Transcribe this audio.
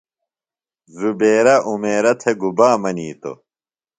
زبیرہ عمیرہ تھےۡ گُبا منیتوۡ؟